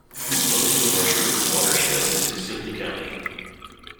Most of the Rush River's watershed is in Sibley County.